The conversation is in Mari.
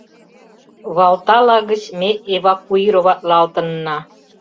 — Валтала гыч ме эвакуироватлалтынна.